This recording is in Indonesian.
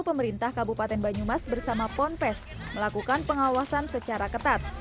pemerintah kabupaten banyumas bersama ponpes melakukan pengawasan secara ketat